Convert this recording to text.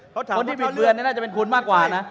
คนที่ผิดเรือนนี่น่าจะเป็นคุณมากกว่านะ